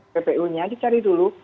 bpu nya dicari dulu